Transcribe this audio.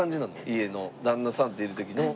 家の旦那さんといる時の。